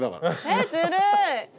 えっずるい。